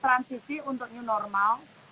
transisi untuk new normal